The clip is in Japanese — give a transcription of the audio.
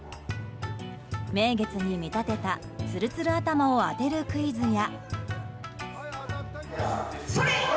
名月に見立てたツルツル頭を当てるクイズや。